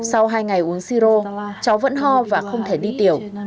sau hai ngày uống siro cháu vẫn ho và không thể đi tiểu